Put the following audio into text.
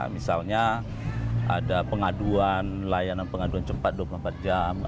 misalnya ada pengaduan layanan pengaduan cepat dua puluh empat jam